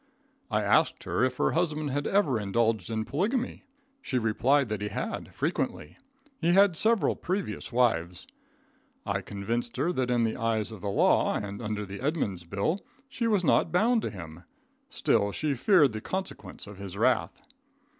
I asked her if her husband had ever indulged in polygamy. She replied that he had, frequently. He had several previous wives. I convinced her that in the eyes of the law, and under the Edmunds bill, she was not bound to him. Still she feared the consequences of his wrath.